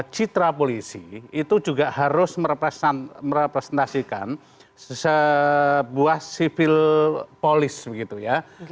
citra polisi itu juga harus merepresentasikan sebuah sipil polis begitu ya